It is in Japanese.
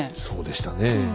そうでしたねえ。